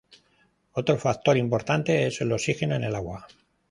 Otro factor importante es el oxígeno en el agua.